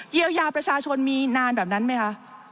เยียวยาประชาชนมีนานแบบนั้นไหมคะ